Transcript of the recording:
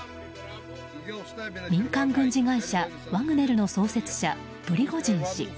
民間軍事会社ワグネルの創設者プリゴジン氏。